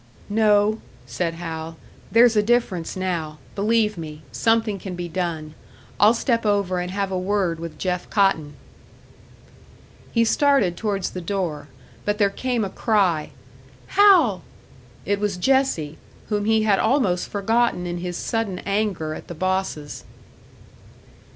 "No," said Hal. "There's a difference now. Believe me something can be done. I'll step over and have a word with Jeff Cotton." He started towards the door; but there came a cry: "Hal!" It was Jessie, whom he had almost forgotten in his sudden anger at the bosses.